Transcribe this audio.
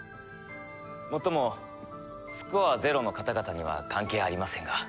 もっともスコア０の方々には関係ありませんが。